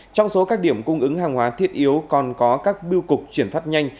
trong số các điểm cung ứng hàng hóa thiết yếu còn có các biêu cục chuyển phát nhanh